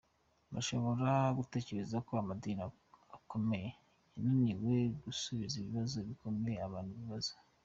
Bashobora gutekereza ko amadini akomeye yananiwe gusubiza ibibazo bikomeye abantu bibaza.